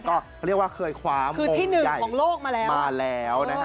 ก็เรียกว่าเคยคว้าโมงใหญ่มาแล้ว